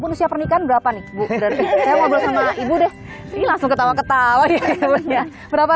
usia pernikahan berapa nih bu berarti saya ngobrol sama ibu deh langsung ketawa ketawanya berapa